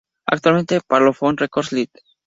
Actualmente Parlophone Records Ltd.